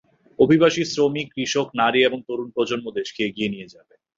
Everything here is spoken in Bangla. অভিবাসী শ্রমিক, কৃষক, নারী এবং তরুণ প্রজন্ম দেশকে এগিয়ে নিয়ে যাবে।